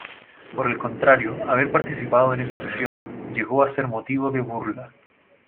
Por el contrario haber participado en esa acción, llegó a ser motivo de burla.